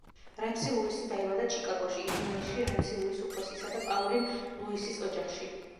რემსი ლუისი დაიბადა ჩიკაგოში, ილინოისში რემსი ლუის უფროსისა და პაულინ ლუისის ოჯახში.